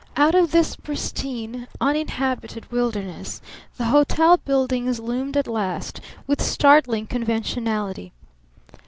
Out of this pristine, uninhabited wilderness the hotel buildings loomed at last with startling conventionality.